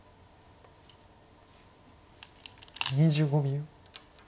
２５秒。